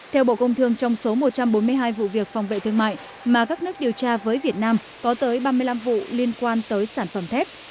theo bộ công thương trong số một trăm bốn mươi hai vụ việc phòng vệ thương mại mà các nước điều tra với việt nam có tới ba mươi năm vụ liên quan tới sản phẩm thép